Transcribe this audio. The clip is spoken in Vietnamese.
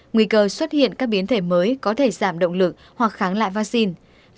nguy cơ xuất hiện các biến thể mới có thể giảm động lực hoặc kháng lại vaccine